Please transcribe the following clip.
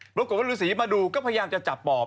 หรือว่าฤษีมาดูก็พยายามจะจับปอบ